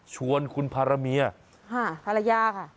ชวนคุณพระเมียฮ่าภรรยาค่ะ